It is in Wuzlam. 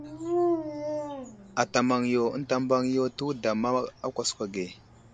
Ata maŋ yo ənta mbaŋ yo tewuda ma á kwaskwa ge.